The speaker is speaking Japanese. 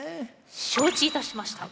承知いたしました！